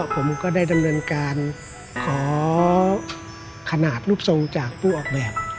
ผมก็ได้ดำเนินการขอขนาดรูปทรงจากผู้ออกแบบ